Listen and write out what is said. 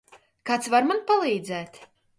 Kāds var man palīdzēt?